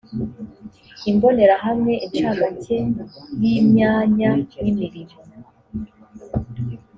imbonerahamwe incamake y imyanya y imirimo